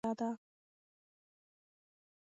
مقاومت د ناهیلۍ پر وړاندې تر ټولو پیاوړې وسله ده.